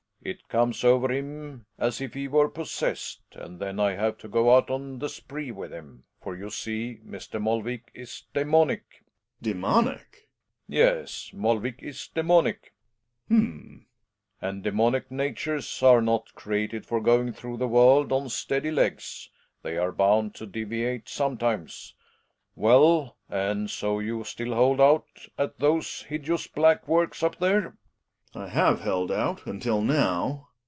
It comes over him as if he were possessed, and then I have to go out on the spree with him. For you see Mr. Molvik is daemonic. Gregers. Daemonic ? Relling. Yes, Molvik is daemonic. Gregers. H'm. Relling. A nd d aemonic natures are not created for ^—■■^^~——»—^ going through the world on steady legs. They ar e bound to deviate sometimes. Well, and so you still h old out at those hideous black Works up the re? Gregers. I have held out until now.